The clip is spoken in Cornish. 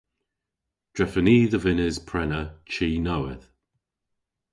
Drefen i dhe vynnes prena chi nowydh.